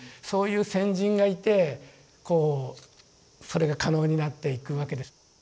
そういう先人がいてこうそれが可能になっていくわけです。